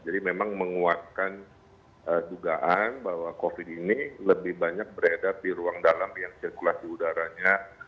jadi memang menguatkan dugaan bahwa covid sembilan belas ini lebih banyak berada di ruang dalam yang sirkulasi udaranya